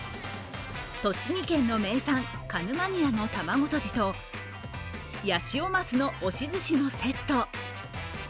栃木県の名産、鹿沼ニラの卵とじとヤシオマスの押しずしのセット。